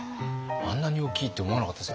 あんなに大きいって思わなかったです。